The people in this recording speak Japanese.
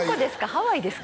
ハワイですか？